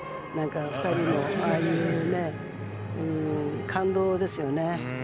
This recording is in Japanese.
２人のああいう感動ですよね。